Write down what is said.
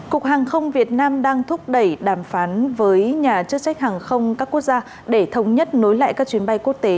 cục hàng không việt nam đang thúc đẩy đàm phán với nhà chức trách hàng không các quốc gia để thống nhất nối lại các chuyến bay quốc tế